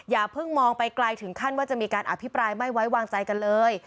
อย่าเพิ่งมองไปไกลถึงขั้นว่าจะมีการอภิปรายไม่ไว้วางใจกันเลย